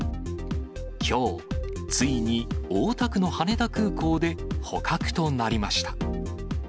きょう、ついに大田区の羽田空港で捕獲となりました。